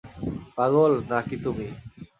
পাগল না কি তুমি?